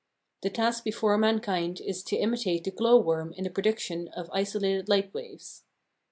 The task before mankind is to imitate the glow worm in the production of isolated light waves.